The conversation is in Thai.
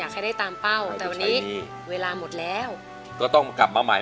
ให้ได้ตามเป้าแต่วันนี้เวลาหมดแล้วก็ต้องกลับมาใหม่